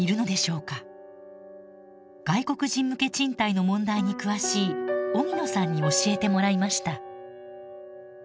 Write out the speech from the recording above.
外国人向け賃貸の問題に詳しい荻野さんに教えてもらいました。